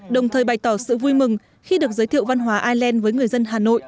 đồng thời bày tỏ sự vui mừng khi được giới thiệu văn hóa ireland với người dân hà nội